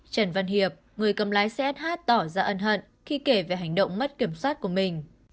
trần văn hiệp người cầm lái xe sh tỏ ra ân hận khi kể về hành động mất kiểm soát của mình